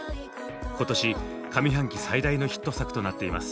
今年上半期最大のヒット作となっています。